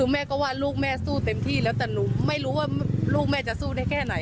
แม่ก็ว่าลูกแม่สู้เต็มที่แล้วแต่หนูไม่รู้ว่าลูกแม่จะสู้ได้แค่ไหน